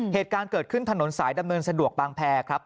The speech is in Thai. เหตุการณ์เกิดขึ้นถนนสายดำเนินสะดวกบางแพรครับ